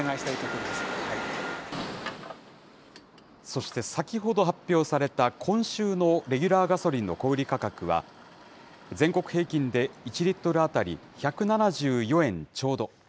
そして先ほど発表された、今週のレギュラーガソリンの小売り価格は、全国平均で１リットル当たり１７４円ちょうど。